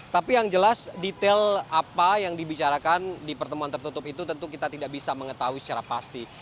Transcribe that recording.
tapi yang jelas detail apa yang dibicarakan di pertemuan tertutup itu tentu kita tidak bisa mengetahui secara pasti